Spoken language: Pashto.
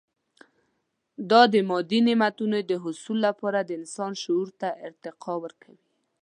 دا د مادي نعمتونو د حصول لپاره د انسان شعور ته ارتقا ورکوي.